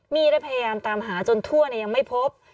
มี่ได้พยายามตามหาจนทั่วยังไม่พบ